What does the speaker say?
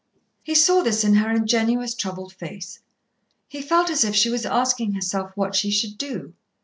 He saw this in her ingenuous troubled face. He felt as if she was asking herself what she should do.